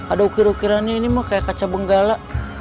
ada ukir ukirannya ini mah kayak kaca benggala